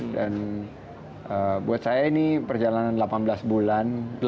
dan buat saya ini perjalanan delapan belas bulan